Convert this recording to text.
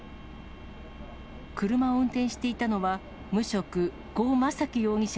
車を運転していたのは、無職、呉昌樹容疑者